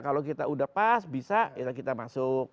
kalau kita udah pas bisa kita masuk